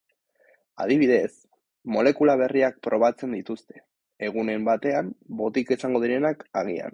Adibidez, molekula berriak probatzen dituzte, egunen batean botika izango direnak agian.